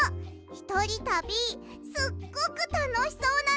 ひとりたびすっごくたのしそうなの。